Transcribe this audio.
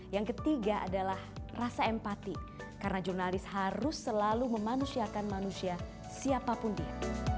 yang ketiga adalah rasa empati karena jurnalis harus selalu memanusiakan manusia siapapun dia